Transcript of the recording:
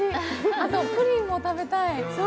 あと、プリンも食べたい。